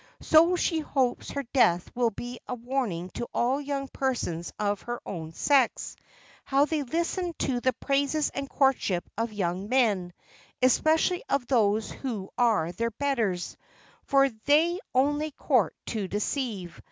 So she hopes her death will be a warning to all young persons of her own sex, how they listen to the praises and courtship of young men, especially of those who are their betters; for they only court to deceive.